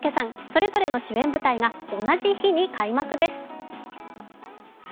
それぞれの主演舞台が同じ日に開幕です。